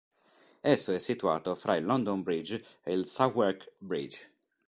Esso è situato fra il London Bridge ed il Southwark Bridge.